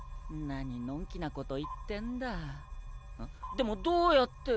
でもどうやって。